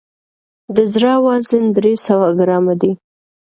د زړه وزن درې سوه ګرامه دی.